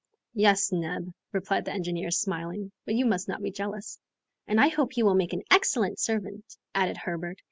"Yes, Neb," replied the engineer, smiling. "But you must not be jealous." "And I hope he will make an excellent servant," added Herbert.